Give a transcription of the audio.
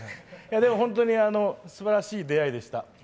本当にすばらしい出会いでした。